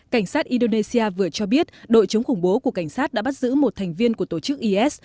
cảnh sát indonesia vừa cho biết đội chống khủng bố của cảnh sát đã bắt giữ một thành viên của tổ chức is